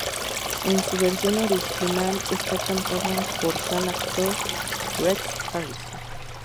En su versión original está cantada por el actor Rex Harrison.